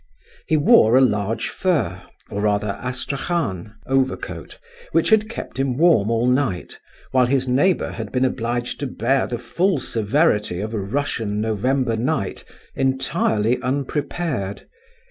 He wore a large fur—or rather astrachan—overcoat, which had kept him warm all night, while his neighbour had been obliged to bear the full severity of a Russian November night entirely unprepared.